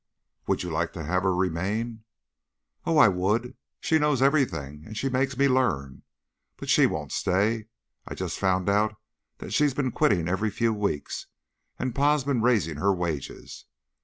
"Would you like to have her remain?" "Oh, I would! She knows everything, and she makes me learn. But she won't stay. I just found out that she's been quitting every few weeks, and Pa's been raising her wages.